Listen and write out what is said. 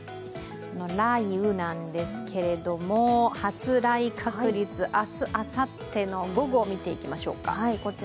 雷雨なんですけれども、発雷確率、明日、あさっての午後を見ていきましょうか。